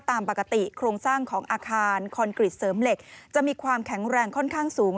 ตามปกติโครงสร้างของอาคารคอนกรีตเสริมเหล็กจะมีความแข็งแรงค่อนข้างสูง